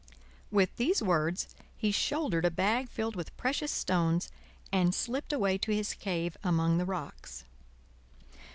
With these words he shouldered a bag filled with precious stones, and slipped away to his cave among the rocks.